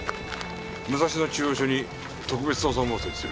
武蔵野中央署に特別捜査本部を設置する。